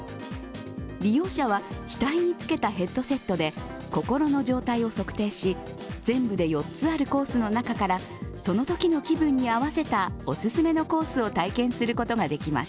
利用者は額に着けたヘッドセットで心の状態を測定し全部で４つあるコースの中からそのときの気分に合わせたおすすめのコースを体験することができます。